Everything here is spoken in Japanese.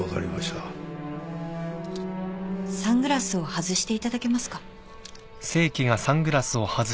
サングラスを外していただけますか？